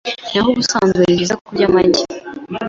Naho ubusanzwe nibyiza kurya amagi